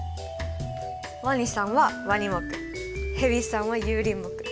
ワニさんはワニ目ヘビさんは有鱗目。